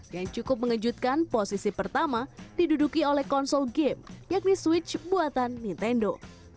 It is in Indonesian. yang cukup mengejutkan posisi pertama diduduki oleh konsol game yakni switch buatan nintendo